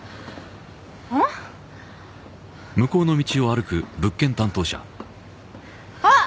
うん？あっ！